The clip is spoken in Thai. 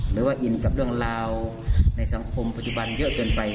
หรือว่าอินกับเรื่องราวในสังคมปัจจุบันเยอะเกินไป